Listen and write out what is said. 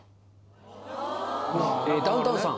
ダウンタウンさん